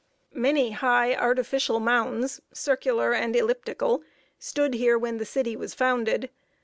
Many high artificial mounds, circular and elliptical, stood here when the city was founded.